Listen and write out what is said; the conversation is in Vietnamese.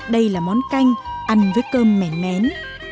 đây là món canh ăn với cơm mén mén